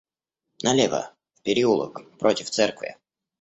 Налево, в переулок, против церкви!